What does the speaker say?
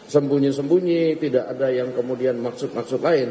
sembunyi sembunyi tidak ada yang kemudian maksud maksud lain